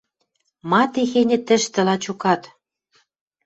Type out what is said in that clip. Ма техеньӹ тӹштӹ, лачокат?